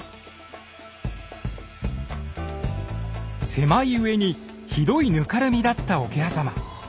狭いうえにひどいぬかるみだった桶狭間。